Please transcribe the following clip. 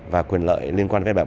và quyền lợi liên quan về bản thân